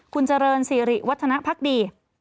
คุณเจริญสิริวัฒนภักดี